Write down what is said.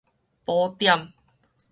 補點